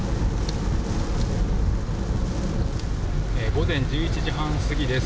午前１１時半過ぎです。